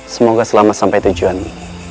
semoga selama sampai tujuanmu